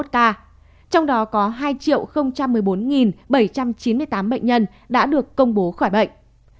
trong đó có hai một mươi bốn bảy trăm chín mươi tám bệnh nhân đã được công bố khỏi bệnh